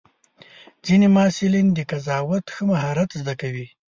ځینې محصلین د قضاوت ښه مهارت زده کوي.